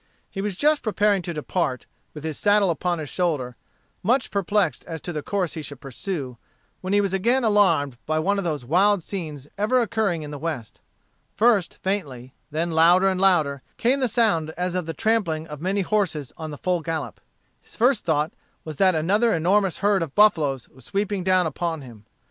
He was just preparing to depart, with his saddle upon his shoulder, much perplexed as to the course he should pursue, when he was again alarmed by one of those wild scenes ever occurring in the West. First faintly, then louder and louder came the sound as of the trampling of many horses on the full gallop. His first thought was that another enormous herd of buffaloes was sweeping down upon him.